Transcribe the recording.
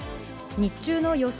日中の予想